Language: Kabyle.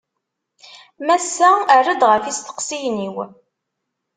Massa, err-d ɣef yisteqsiyen-iw.